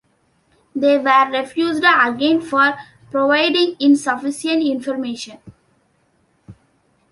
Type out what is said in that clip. They were refused again for providing insufficient information.